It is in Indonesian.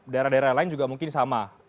daerah daerah lain juga mungkin sama